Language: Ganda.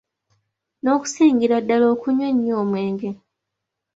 N'okusingira ddala, okunywa ennyo omwenge.